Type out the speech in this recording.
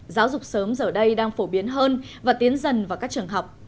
giáo dục sớm giờ đây đang phổ biến hơn và tiến dần vào các trường học